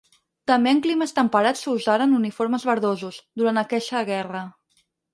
També en climes temperats s'usaren uniformes verdosos, durant aqueixa guerra.